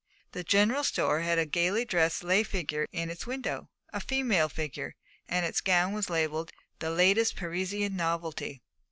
The general store had a gaily dressed lay figure in its window, a female figure, and its gown was labelled 'The Latest Parisian Novelty.'